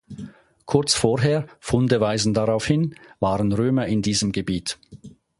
Kurz vorher, Funde weisen darauf hin, waren Römer in diesem Gebiet.